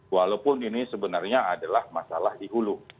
walaupun ini sebenarnya adalah masalah di hulu